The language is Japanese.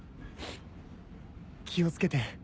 気を付けて。